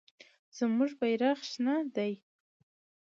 زموږ بیرغ شنه دی.